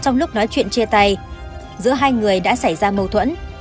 trong lúc nói chuyện chia tay giữa hai người đã xảy ra mâu thuẫn